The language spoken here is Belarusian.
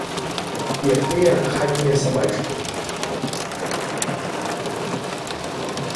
Як тыя хатнія сабачкі.